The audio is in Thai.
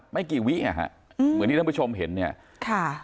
ไม่กี่วิอ่ะฮะอืมเหมือนที่ท่านผู้ชมเห็นเนี่ยค่ะ